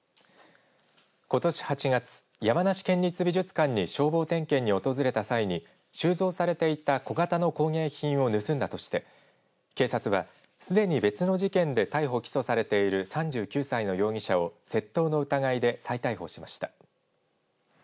ことし８月、山梨県立美術館に消防点検に訪れた際に収蔵されていた小型の工芸品を盗んだとして警察はすでに別の事件で逮捕、起訴されている３９歳の容疑者を窃盗の疑いで再逮捕しました。